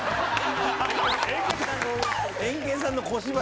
エンケンさんの小芝居が。